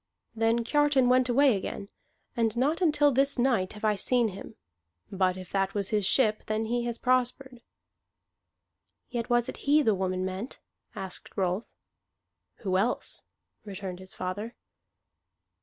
Then Kiartan went away again, and not until this night have I seen him. But if that was his ship, then he has prospered." "Yet it was he the woman meant?" asked Rolf. "Who else?" returned his father.